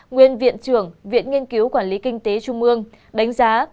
nguyên viện trưởng viện nghiên cứu quản lý kinh tế trung ương đánh giá